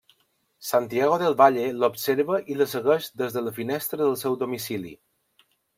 Santiago del Valle l'observa i la segueix des de la finestra del seu domicili.